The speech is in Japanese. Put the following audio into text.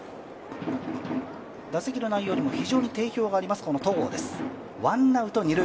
打席の内容にも非常に定評があります戸郷です。